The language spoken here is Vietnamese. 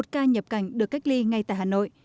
một ca nhập cảnh được cách ly ngay tại hà nội